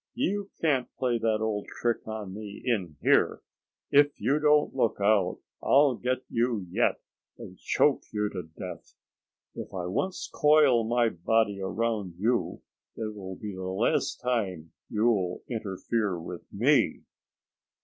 "You can't play that old trick on me in here. If you don't look out I'll get you yet, and choke you to death. If I once coil my body around you it will be the last time you'll interfere with me."